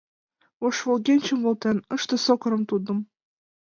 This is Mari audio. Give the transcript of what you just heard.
Ош волгенчым волтен, Ыште сокырым тудым.